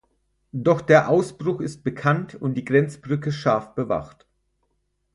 Doch der Ausbruch ist bekannt und die Grenzbrücke scharf bewacht.